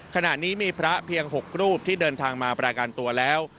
ขณะนี้มีพระเพียง๖รูปที่เดินทางมาประกันตัวแล้ว